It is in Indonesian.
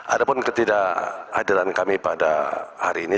adapun ketidakhadiran kami pada hari ini